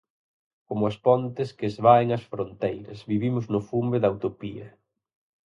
Como as pontes que esvaen as fronteiras, vivimos no fume da utopía.